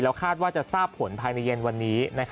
คาดว่าจะทราบผลภายในเย็นวันนี้